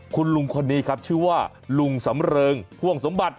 คุณลุงคนนี้ครับชื่อว่าลุงสำเริงพ่วงสมบัติ